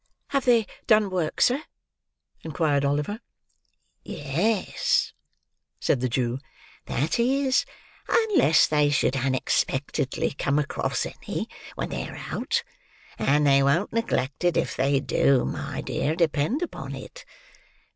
"Have they done work, sir?" inquired Oliver. "Yes," said the Jew; "that is, unless they should unexpectedly come across any, when they are out; and they won't neglect it, if they do, my dear, depend upon it.